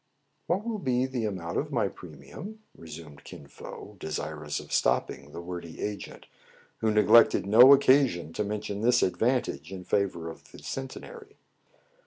*' "What will be the amount of my premium?" resumed Kin Fo, desirous of stopping the wordy agent, who neglected no occasion to mention this advantage in favor of the Centenary.